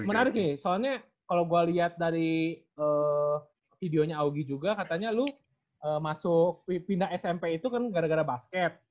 menarik nih soalnya kalau gue lihat dari videonya augie juga katanya lu masuk pindah smp itu kan gara gara basket